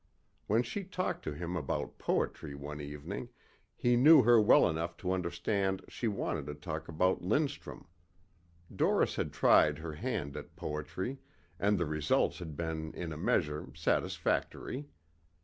When she talked to him about poetry one evening he knew her well enough to understand she wanted to talk about Lindstrum. Doris had tried her hand at poetry and the results had been in a measure satisfactory.